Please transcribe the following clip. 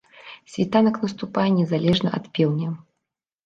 Світанак наступае незалежна ад пеўня.